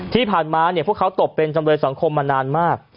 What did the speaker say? ที่ผ่านมาพวกเขาตกเป็นจำเลยสังคมมานานมาก